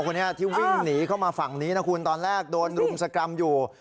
คนนี้ที่วิ่งหนีเข้ามาฝั่งนี้นะคุณตอนแรกโดนรุมสกรรมอยู่